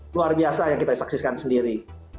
luar biasa yang kita saksikan sendiri